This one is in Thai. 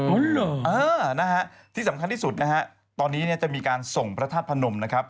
นะฮะที่สำคัญที่สุดนะฮะตอนนี้เนี่ยจะมีการส่งพระธาตุพนมนะครับ